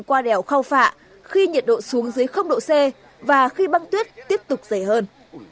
qua đèo khao phạ khi nhiệt độ xuống dưới độ c và khi băng tuyết tiếp tục dày hơn